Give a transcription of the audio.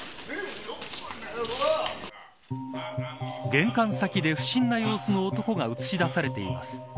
玄関先で、不審な様子の男が映し出されています。